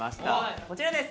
こちらです！